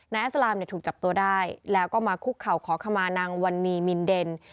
นายอัสลามถูกจับตัวได้แล้วก็มาคุกเขาขอขมานางวันนีมินเดน